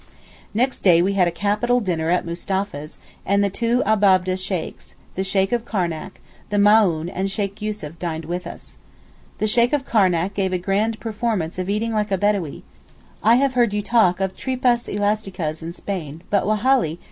Next day we had a capital dinner at Mustapha's, and the two Abab'deh Sheykhs, the Sheykh of Karnac, the Maōhn and Sheykh Yussuf dined with us. The Sheykh of Karnac gave a grand performance of eating like a Bedawee. I have heard you talk of tripas elasticas in Spain but Wallahi!